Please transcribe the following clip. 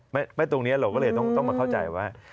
ตรงนี้เราก็เลยต้องมาเข้าใจว่า